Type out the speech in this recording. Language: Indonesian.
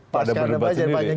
pada berdebat sendiri